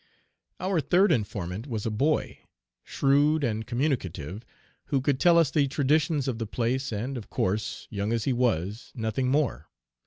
Our third informant was a boy, shrewd and communicative, who could tell us the traditions of the place, and, of course, young as he was, nothing more.